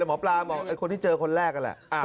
หมอปลาบอกไอ้คนที่เจอคนแรกนั่นแหละ